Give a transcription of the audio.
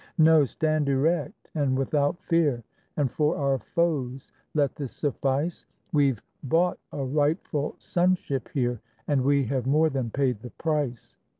No! stand erect and without fear, And for our foes let this suffice We've bought a rightful sonship here, And we have more than paid the price.